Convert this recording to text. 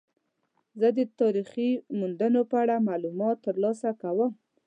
زه د تاریخي موندنو په اړه معلومات ترلاسه کوم.